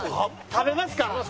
食べますか。